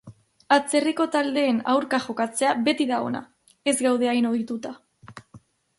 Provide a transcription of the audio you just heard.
Atzerriko taldeen aurka jokatzea beti da ona, ez gaude hain ohituta.